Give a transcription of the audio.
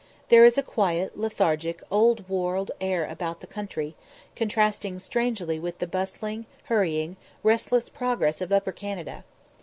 There is a quiet, lethargic, old world air about the country, contrasting strangely with the bustling, hurrying, restless progress of Upper Canada.